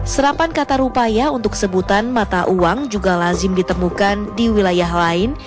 serapan kata rupaya untuk sebutan mata uang juga lazim ditemukan di wilayah lain